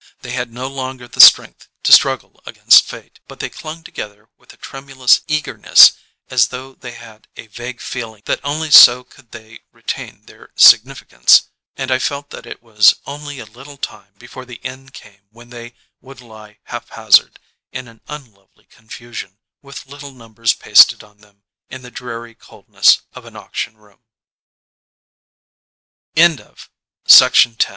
They had no longer the strength to struggle against fate, but they clung together with a tremulous eagerness as though they had a vague feeling that only so could they retain their significance, and I felt that it was only a little time before the end came when they would lie haphazard, in an unlovely confusion, with little numbers pasted on them, in the dreary cold n